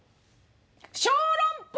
小籠包！